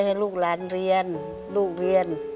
ให้ลูกหลานเรียน